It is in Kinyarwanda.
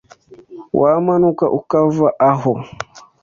Wamanuka ukava aho?